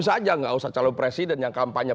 saja nggak usah calon presiden yang kampanye